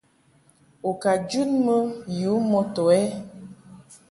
U ka jun mɨ yu moto ɛ ?